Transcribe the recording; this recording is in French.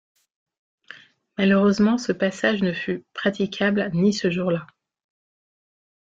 Malheureusement, ce passage ne fut praticable ni ce jour-là